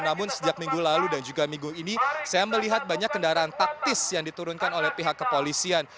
namun sejak minggu lalu dan juga minggu ini saya melihat banyak kendaraan taktis yang diturunkan oleh pihak kepolisian